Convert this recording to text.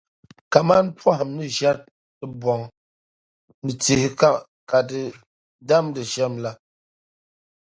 kaman pɔhim ni ʒiɛri tibɔŋ ni tihi ka di damdi shɛm la.